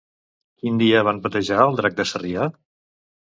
Quin dia van batejar el Drac de Sarrià?